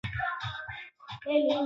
Yeye ni mwizi